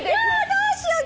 どうしよう。